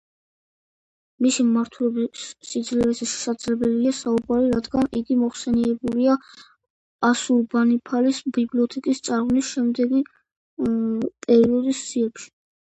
მისი მმართველობის სიძლიერეზე შესაძლებელია საუბარი, რადგან იგი მოხსენიებულია ასურბანიფალის ბიბლიოთეკის წარღვნის შემდეგი პერიოდის სიებში.